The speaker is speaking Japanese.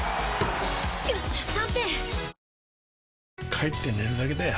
帰って寝るだけだよ